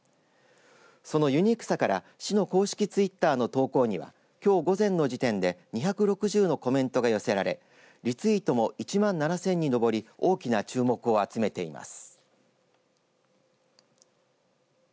そのユニークさから市の公式ツイッターの投稿にはきょう午前の時点で２６０のコメントが寄せられリツイートも１万７０００に上り大きな注目を集めています。